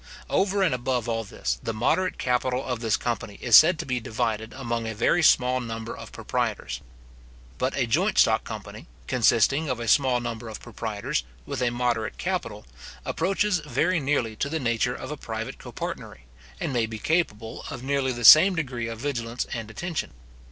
Over and above all this, the moderate capital of this company is said to be divided among a very small number of proprietors. But a joint stock company, consisting of a small number of proprietors, with a moderate capital, approaches very nearly to the nature of a private copartnery, and may be capable of nearly the same degree of vigilance and attention.